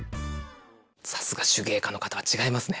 さすが手芸家の方は違いますね。